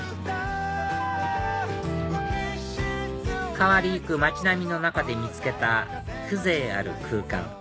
変わり行く街並みの中で見つけた風情ある空間